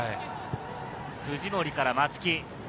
藤森から松木。